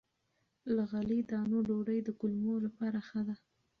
له غلې- دانو ډوډۍ د کولمو لپاره ښه ده.